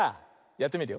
やってみるよ。